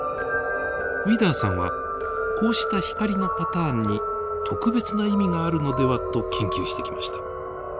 ウィダーさんはこうした光のパターンに特別な意味があるのではと研究してきました。